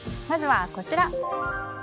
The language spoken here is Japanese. まずはこちら。